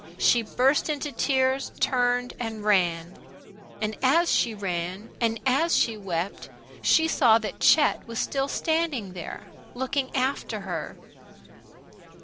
She burst into tears, turned, and ran. And as she ran, and as she wept, she saw that Chet was still standing there, looking after her.